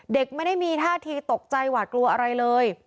เด็กไม่ได้มีท่าทีตกใจหวาดกลัวอะไรเลย